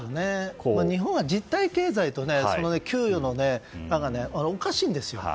日本は実体経済と給与の差がおかしいんですよ。